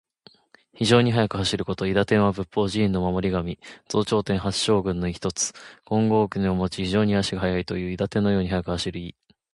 非常に速く走ること。「韋駄天」は仏法・寺院の守り神。増長天八将軍の一。金剛杵をもち、非常に足が速いという。韋駄天のように速く走る意。